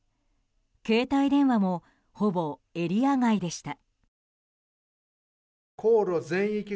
携帯電話もほぼエリア外でした。